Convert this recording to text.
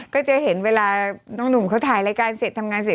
ก็จะเห็นเวลาน้องหนุ่มเขาถ่ายรายการเสร็จทำงานเสร็จ